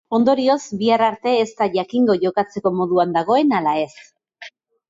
Ondorioz, bihar arte ez da jakingo jokatzeko moduan dagoen ala ez.